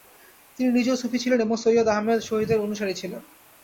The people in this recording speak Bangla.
তিনি নিজেও সূফি ছিলেন এবং সৈয়দ আহমদ শহীদের অনুসারী ছিলেন।